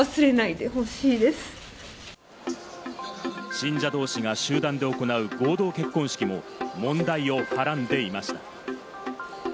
信者同士が集団で行う、合同結婚式も問題をはらんでいました。